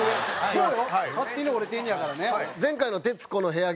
そうよ